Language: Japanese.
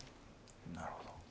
なるほど。